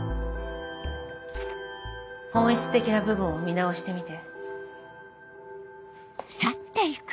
本質的な部分を見直してみて。